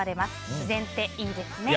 自然っていいですね。